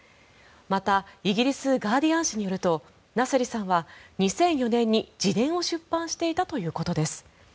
また、イギリスガーディアン紙によるとナセリさんは２００４年に自伝を出版していたということです。